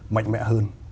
mạnh mẽ hơn